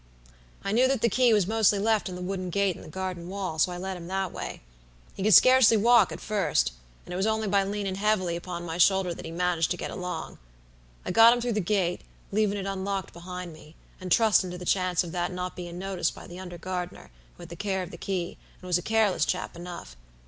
"I knew that the key was mostly left in the wooden gate in the garden wall, so I led him that way. He could scarcely walk at first, and it was only by leanin' heavily upon my shoulder that he managed to get along. I got him through the gate, leavin' it unlocked behind me, and trustin' to the chance of that not bein' noticed by the under gardener, who had the care of the key, and was a careless chap enough.